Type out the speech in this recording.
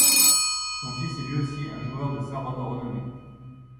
Son fils est lui aussi un joueur de sarod renommé.